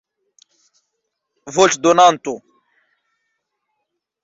voĉdonanto